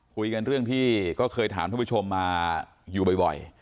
คุยกันเรื่องที่ก็เคยถามท่านผู้ชมมาอยู่บ่อย